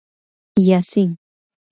یاسین